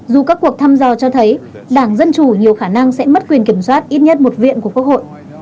dù các cuộc thăm dò cho thấy đảng dân chủ nhiều khả năng sẽ mất quyền kiểm soát ít nhất một viện của quốc hội